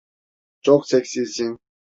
Çok seksisin.